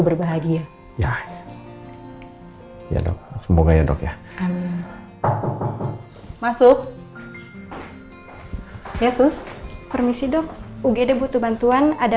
berbahagia ya dok semoga ya dok ya masuk yesus permisi dok ugd butuh bantuan ada